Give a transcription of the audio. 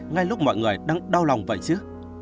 ngay lúc mọi người đang đau lòng vậy chứ